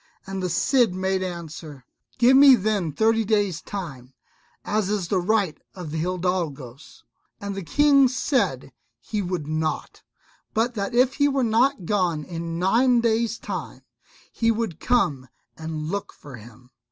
And the Cid made answer, "Give me then thirty days' time, as is the right of the hidalgos"; and the King said he would not, but that if he were not gone in nine days' time he would come and look for him.